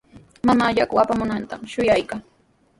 Mamaa yaku apamunantami shuyaykaa.